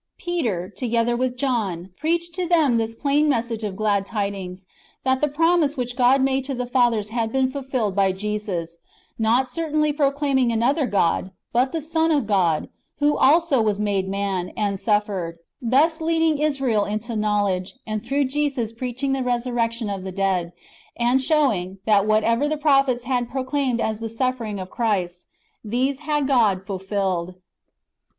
^ Peter, together with John, preached to them this plain message of glad tidings, that the promise which God made to the fathers had been fulfilled by Jesus ; not certainly proclaiming another God, but the Son of God, who also was made man, and suffered ; thus leading Israel into knowledge, and through Jesus preaching the resurrection of the dead,^ and showing, that whatever the prophets had proclaimed as to the suffering of Christ, these had God fulfilled.